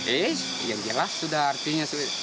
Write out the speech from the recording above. eh ya jelas sudah artinya